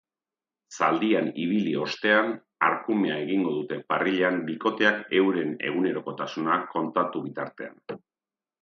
Zaldian ibili ostean, arkumea egingo dute parrillan bikoteak euren egunerokotasuna kontatu bitartean.